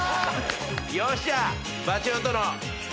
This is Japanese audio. よっしゃ。